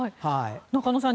中野さん